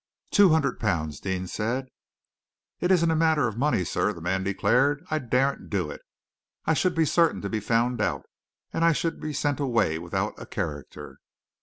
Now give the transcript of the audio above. "Two hundred pounds!" Deane said. "It isn't a matter of money, sir," the man declared. "I daren't do it. I should be certain to be found out, and I should be sent away without a character."